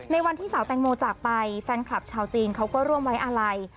วันที่สาวแตงโมจากไปแฟนคลับชาวจีนเขาก็ร่วมไว้อาลัย